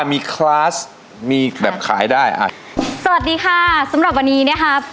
มีคลาสมีแบบขายได้อ่ะสวัสดีค่ะสำหรับวันนี้นะครับ